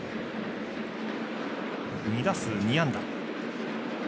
２打数２安打。